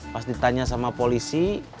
pas ditanya sama polisi